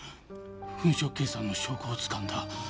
粉飾決算の証拠をつかんだ。